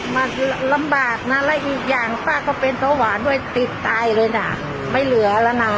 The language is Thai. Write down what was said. มันลำบากนะและอีกอย่างป้าก็เป็นเบาหวานด้วยติดตายเลยนะไม่เหลือแล้วนะ